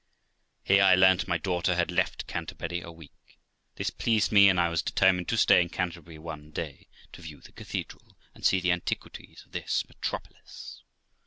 Here I learnt my daughter had left Canterbury a week. This pleased me; and I was determined to stay in Canterbury one day, to view the cathedral, and see the antiquities of this metropolis.